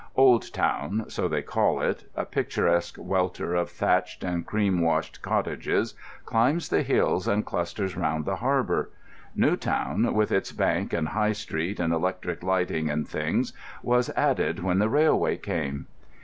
Old Town—so they call it—a picturesque welter of thatched and cream washed cottages, climbs the hills and clusters round the harbour; New Town, with its bank and High Street and electric light and things, was added when the railway came.